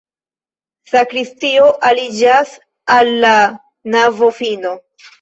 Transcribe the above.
Sakristio aliĝas al la navofino.